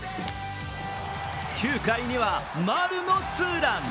９回には、丸のツーラン。